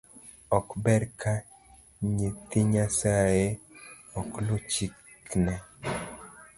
Ok ber ka nyithii nyasae ok lu chikne.